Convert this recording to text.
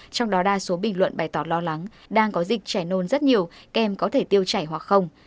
trong đó đa số bình luận bày tỏ lo lắng đang có dịch trẻ nôn rất nhiều kem có thể tiêu chảy hoặc không